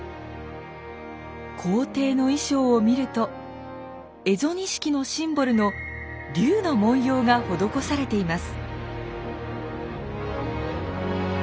皇帝の衣装を見ると蝦夷錦のシンボルの竜の文様が施されています。